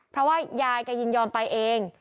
เพราะว่ายายแกยินยอมไปเอง